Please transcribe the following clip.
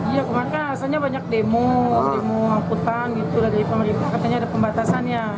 iya kemarin kan asalnya banyak demo demo angkutan gitu dari pemerintah katanya ada pembatasan ya